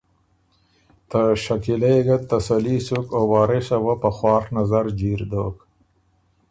ته شکیلۀ يې ګۀ تسلي سُک او وارثه وه په خواڒ نظر جیر دوک۔